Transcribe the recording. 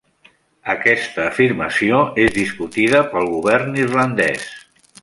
Aquesta afirmació és discutida pel govern irlandès.